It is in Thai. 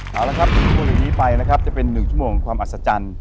เอาละครับวันนี้ไปนะครับจะเป็นหนึ่งชั่วโมงความอัศจรรย์